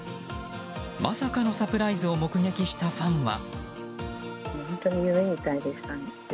まさかのサプライズを目撃したファンは。